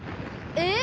えっ！？